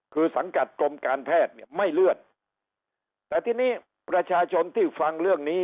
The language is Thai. คือสังกัดกรมการแพทย์เนี่ยไม่เลื่อนแต่ทีนี้ประชาชนที่ฟังเรื่องนี้